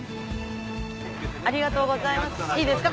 ありがとうございますいいですか？